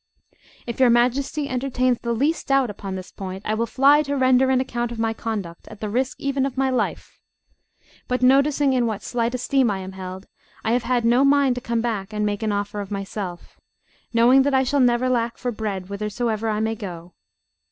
If your Majesty entertains the least doubt upon this point, I will fly to render an account of my conduct, at the risk even of my life. But noticing in what slight esteem I am held I have had no mind to come back and make an offer of myself, knowing that I shall never lack for bread whithersoever I may go.